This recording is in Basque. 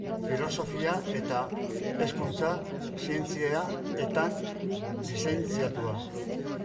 Filosofia eta Hezkuntza Zientzietan lizentziatua.